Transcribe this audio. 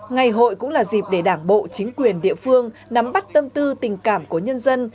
ngày hội cũng là dịp để đảng bộ chính quyền địa phương nắm bắt tâm tư tình cảm của nhân dân